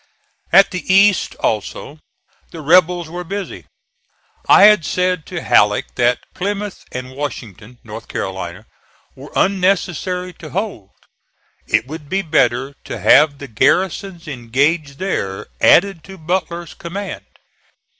At the East, also, the rebels were busy. I had said to Halleck that Plymouth and Washington, North Carolina, were unnecessary to hold. It would be better to have the garrisons engaged there added to Butler's command.